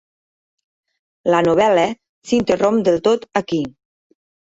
La novel·la s'interromp del tot aquí.